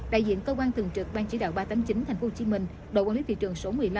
đại diện cơ quan thường trực ban chỉ đạo ba trăm tám mươi chín tp hcm đội quản lý thị trường số một mươi năm